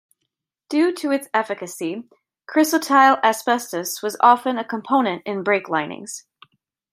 Due to its efficacy, chrysotile asbestos was often a component in brake linings.